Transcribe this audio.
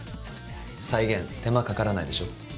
再現手間かからないでしょ？